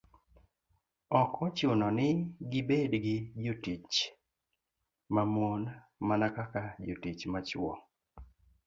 ok ochuno ni gibed gi jotich ma mon, mana kaka jotich ma chwo.